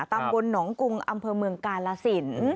ตำบลหนองกุงอำเภอเมืองกาลสิน